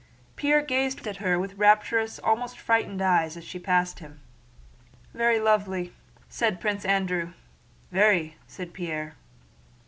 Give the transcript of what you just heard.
Pierre gazed at her with rapturous, almost frightened, eyes as she passed him. "Very lovely," said Prince Andrew. "Very," said Pierre.